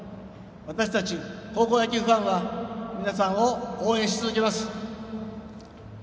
私たち高校野球ファンは皆さんを応援し続けます。